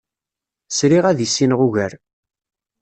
Sriɣ ad issineɣ ugar.